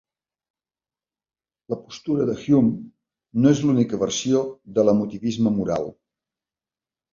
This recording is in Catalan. La postura de Hume no és l'única versió de l'Emotivisme Moral.